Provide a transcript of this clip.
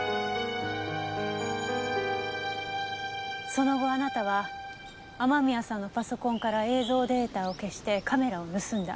その後あなたは雨宮さんのパソコンから映像データを消してカメラを盗んだ。